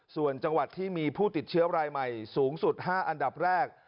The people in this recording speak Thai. ส่วนจังหวัดที่มีผู้ติดเชื้อรายใหม่สูงสุด๕อันดับแรก